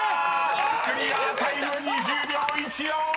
［クリアタイム２０秒１４！］